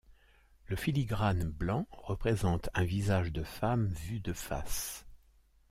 Le filigrane blanc représente un visage de femme vue de face.